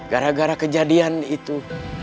gara gara kejadian itu